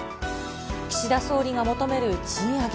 岸田総理が求める賃上げ。